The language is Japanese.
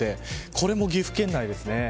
これも岐阜県内ですね。